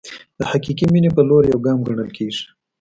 د حقیقي مینې په لور یو ګام ګڼل کېږي.